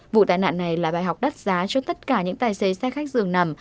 vụ tai nạn này là bài học đắt giá cho tất cả những tài xế xe khách dường nằm